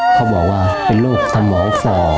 เขาบอกว่าเป็นลูกทำหมองส่อ